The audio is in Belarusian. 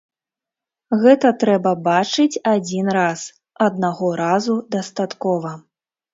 Гэта трэба бачыць адзін раз, аднаго разу дастаткова.